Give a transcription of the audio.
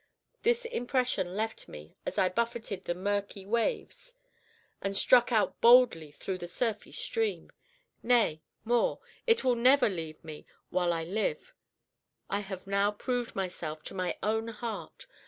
This impression never left me as I buffeted the murky waves, and struck out boldly through the surfy stream. Nay, more, it will never leave me while I live. I have now proved myself to my own heart!